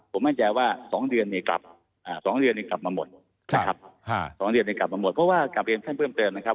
ผมมั่นใจว่า๒เดือนเลยกลับมาหมดเพราะว่ากลับเรียนมานานสั้นเพิ่มเติมนะครับ